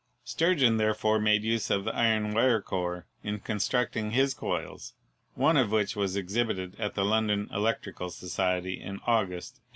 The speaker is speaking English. Sturgeon there fore made use of the iron wire core in constructing his coils, one of which was exhibited to the London Electrical Society in August, 1837.